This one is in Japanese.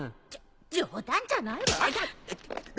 冗談じゃないわ！